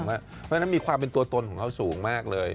เพราะฉะนั้นมีความเป็นตัวตนของเขาสูงมากเลย